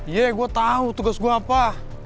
iya gue tau tugas gue apa